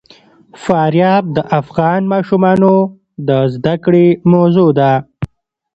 فاریاب د افغان ماشومانو د زده کړې موضوع ده.